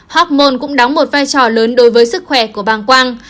hormone cũng đóng một vai trò lớn đối với sức khỏe của bàng quang